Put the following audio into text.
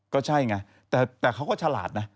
ก็ใช่ไงแต่เขาก็ฉลาดนะ